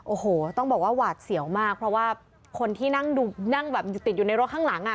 โอ้โหต้องบอกว่าหวาดเสียวมากเพราะว่าคนที่นั่งดูนั่งแบบอยู่ติดอยู่ในรถข้างหลังอ่ะ